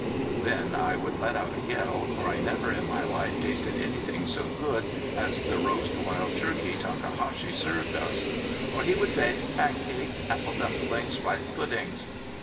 Then I would let out a yell, for I never in my life tasted anything so good as the roast wild turkey Takahashi served us. Or he would say: "Pan cakes apple dumplings rice puddings."